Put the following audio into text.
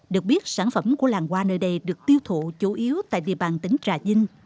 được biết sản phẩm của làng hoa nơi đây được tiêu thụ chủ yếu tại địa bàn tỉnh trà vinh